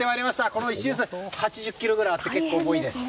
この石臼、８０ｋｇくらいあって結構重いんです。